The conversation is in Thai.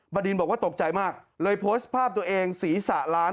ดินบอกว่าตกใจมากเลยโพสต์ภาพตัวเองศีรษะล้าน